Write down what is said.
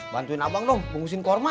bantuin abang dong bungkusin kurma